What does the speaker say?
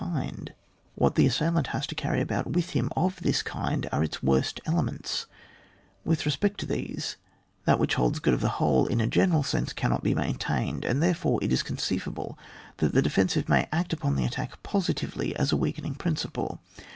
3 kind ; what tbe assailant has to carry about with him of this kind are its worst ele ments ; with respect to these, that which holds good of the whole, in a general sense, cannot be maintained ; and there fore it is conceivable that the defensive may act upon the attack positively as a weakening principle.